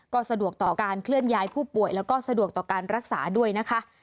ก็สะดวกต่อการเคลื่อนย้ายผู้ป่วยแล้วก็สะดวกต่อการรักษาด้วยนะคะ